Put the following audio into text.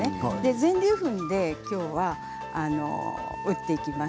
全粒粉で今日は打っていきます。